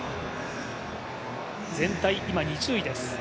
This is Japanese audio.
全体、今２０位です。